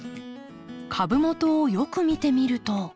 株元をよく見てみると。